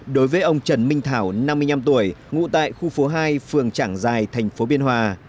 đối với ông trần minh thảo năm mươi năm tuổi ngụ tại khu phố hai phường trảng giai tp biên hòa